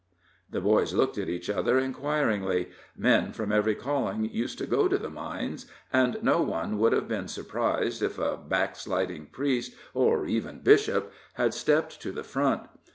The boys looked at each other inquiringly; men from every calling used to go to the mines, and no one would have been surprised if a backsliding priest, or even bishop, had stepped to the front.